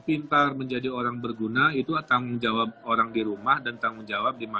nah sector pendidikan ini dapat meyakinkan sadar yang akan sudah hasiliri